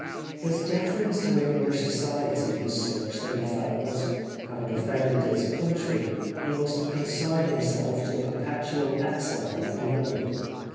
His deference to Enghsh society was such that he felt that, having offended his coun try, he must consign himself to a perpetual exile from England.